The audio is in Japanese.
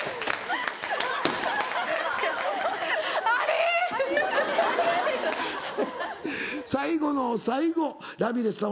あれ⁉最後の最後ラミレスさん